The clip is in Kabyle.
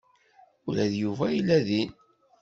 Ula d Yuba yella din.